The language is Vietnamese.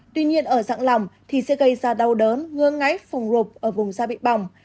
tuy nhiên ở dạng lỏng thì sẽ gây ra đau đớn ngương ngáy phùng rụp ở vùng da bị bỏng